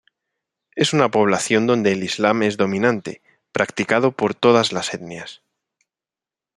Es una población donde el Islam es dominante, practicado por todas las etnias.